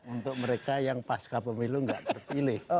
untuk mereka yang pasca pemilu nggak terpilih